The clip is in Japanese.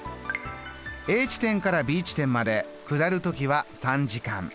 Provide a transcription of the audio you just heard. Ａ地点からＢ地点まで下る時は３時間。